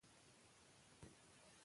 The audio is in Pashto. په دلیل خبرې وکړئ.